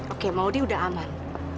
oke modi udah aman